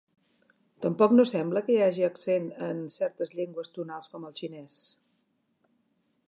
Tampoc no sembla que hi haja accent en certes llengües tonals com el xinès.